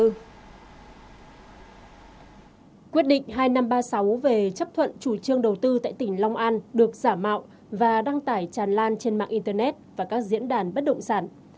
quyết định hai nghìn năm trăm ba mươi sáu về chấp thuận chủ trương đầu tư tại tỉnh long an được giả mạo và đăng tải tràn lan trên mạng internet và các diễn đàn bất động sản